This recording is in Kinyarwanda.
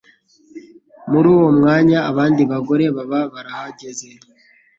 Muri uwo mwanya abandi bagore baba barahageze.